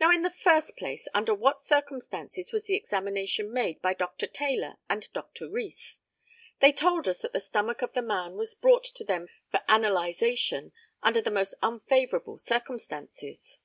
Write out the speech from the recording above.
Now, in the first place, under what circumstances was the examination made by Dr. Taylor and Dr. Rees. They told us that the stomach of the man was brought to them for analysation under the most unfavourable circumstances.